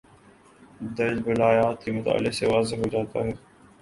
درجِ بالا آیات کے مطالعے سے واضح ہو جاتا ہے